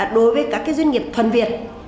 đối với các cái doanh nghiệp thuần việt